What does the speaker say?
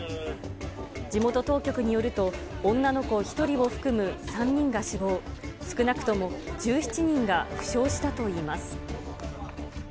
地元当局によると、女の子１人を含む３人が死亡、少なくとも１７人が負傷したといいます。